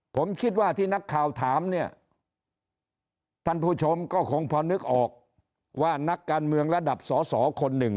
ผมคิดว่าที่นักข่าวถามเนี่ยท่านผู้ชมก็คงพอนึกออกว่านักการเมืองระดับสอสอคนหนึ่ง